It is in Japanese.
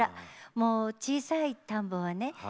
もう小さい田んぼはね